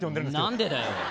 何でだよ